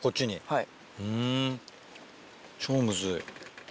はい。